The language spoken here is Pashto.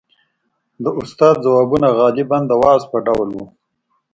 • د استاد ځوابونه غالباً د وعظ په ډول وو.